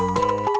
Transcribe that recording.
terima kasih kak